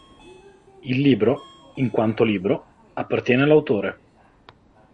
Il libro, in quanto libro, appartiene all‘autore.